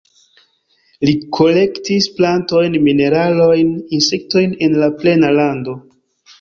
Li kolektis plantojn, mineralojn, insektojn en la plena lando.